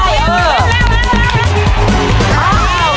เร็ว